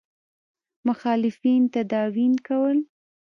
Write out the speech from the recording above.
مخالفین تداوي کول.